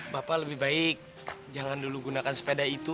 bapak lebih baik jangan dulu gunakan sepeda itu